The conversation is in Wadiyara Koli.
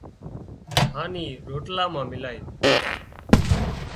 هانَ اِي روٽلا مان ملائي